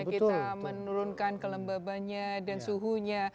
kita menurunkan kelembabannya dan suhunya